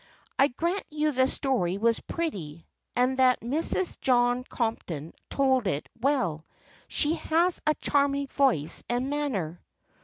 I grant you the story was pretty, and that Mrs. John Compton told it well; she has a charming voice and manner."